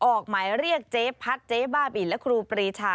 ออกหมายเรียกเจ๊พัดเจ๊บ้าบินและครูปรีชา